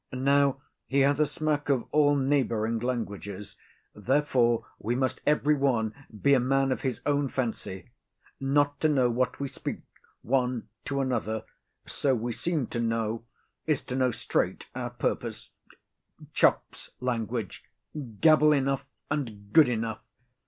Now he hath a smack of all neighbouring languages, therefore we must every one be a man of his own fancy; not to know what we speak one to another, so we seem to know, is to know straight our purpose: choughs' language, gabble enough, and good enough.